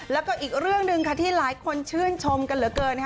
แล้วก็อีกเรื่องหนึ่งค่ะที่หลายคนชื่นชมกันเหลือเกิน